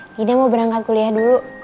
karena dina udah berangkat kuliah dulu